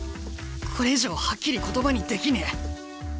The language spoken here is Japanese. これ以上はっきり言葉にできねえ。